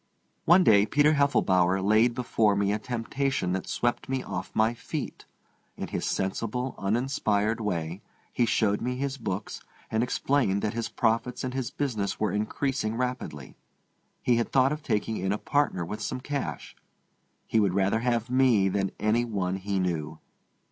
One day Peter Heffelbower laid before me a temptation that swept me off my feet. In his sensible, uninspired way he showed me his books, and explained that his profits and his business were increasing rapidly. He had thought of taking in a partner with some cash. He would rather have me than any one he knew.